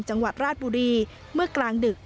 จังหวัดราชบุรีเมื่อกลางดึก